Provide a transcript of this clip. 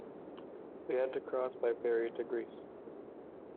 We had to cross by ferry to Greece.